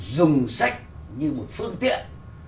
dùng sách như một phương tiện